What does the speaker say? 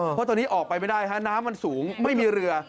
เพราะตอนนี้ออกไปไม่ได้ฮะน้ำมันสูงไม่มีเรือ